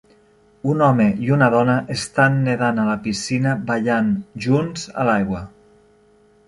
Un home i una dona estan nedant a la piscina ballant junts a l'aigua.